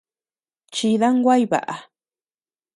Chidan guay baʼa.